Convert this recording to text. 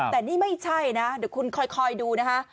แต่นี่ไม่ใช่นะเดี๋ยวคุณคอยดูนะคะ